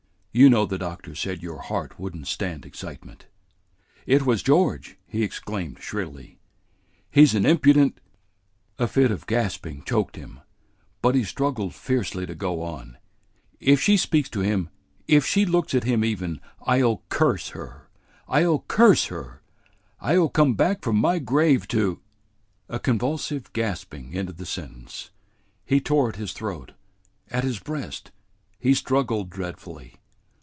"You know the doctor said your heart would n't stand excitement." "It was George!" he exclaimed shrilly. "He's an impudent " A fit of gasping choked him, but he struggled fiercely to go on. "If she speaks to him, if she looks at him even, I'll curse her! I'll curse her! I'll come back from my grave to " A convulsive gasping ended the sentence. He tore at his throat, at his breast, he struggled dreadfully.